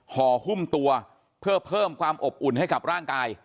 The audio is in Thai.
ห่อหุ้มตัวเพื่อเพิ่มความอบอุ่นให้กับร่างกาย